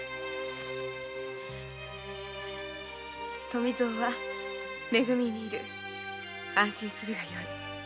「富造はめ組にいる安心するがよい。